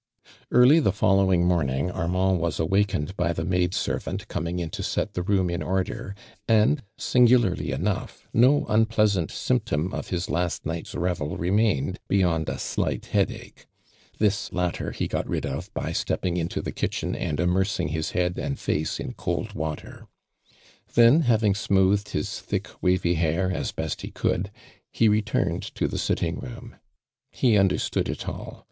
Early the following morning, Armand w.i.^ awakened by the maid servant coming in to set the room in order, and singularly enough, no unpleasant symptom of his la*;t night's revel remained, beyond a slight headach. This latter he got rid of by stepp ing into the kitchen and immersing his head and face in colli water, 'ihen having smoo thed his thick wavy hair as best he could, he retumeii to the sitting room. He understood it all.